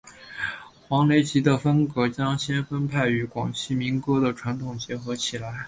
黄雷基的风格将先锋派与广西民歌的传统结合起来。